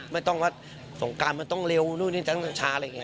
ไม่ต้องว่าสงการมันต้องเร็วนู่นนี่ต้องช้าอะไรอย่างนี้